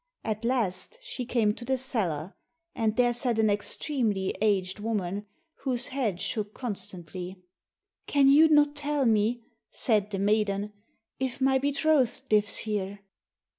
At last she came to the the cellar, and there sat an extremely aged woman, whose head shook constantly. "Can you not tell me," said the maiden, "if my betrothed lives here?"